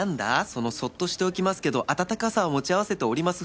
その「そっとしておきますけど温かさは持ち合わせております」